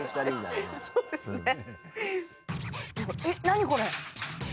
何これ？